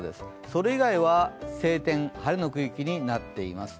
それ以外は晴天、晴れの区域になっています。